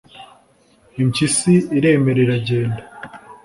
Impyisi iremera iragenda.